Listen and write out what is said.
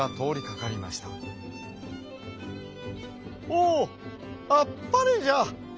「おあっぱれじゃ。